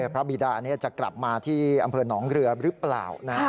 บิดาจะกลับมาที่อำเภอหนองเรือหรือเปล่า